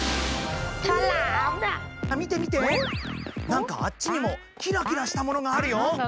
見て見て、なんかあっちにもキラキラしたものがあるよ！